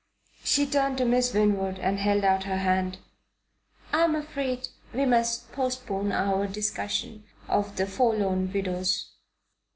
She turned to Miss Winwood and held out her hand. "I am afraid we must postpone our discussion of the Forlorn Widows.